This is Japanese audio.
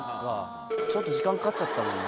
ちょっと時間かかっちゃったもんな。